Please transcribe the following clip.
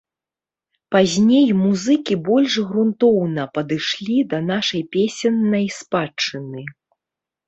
Пазней музыкі больш грунтоўна падышлі да нашай песеннай спадчыны.